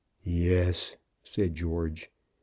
"Yes," said George.